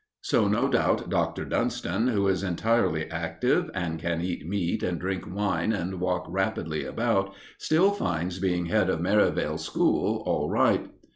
So, no doubt, Dr. Dunston, who is entirely active, and can eat meat and drink wine and walk rapidly about, still finds being Head of Merivale School all right.